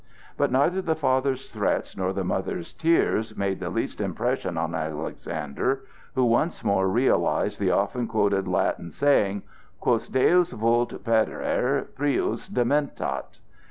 But neither the father's threats nor the mother's tears made the least impression on Alexander, who once more realized the often quoted Latin saying: "Quos Deus vult perdere, prius dementat."